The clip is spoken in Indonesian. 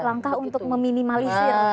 langkah untuk meminimalisir